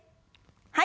はい。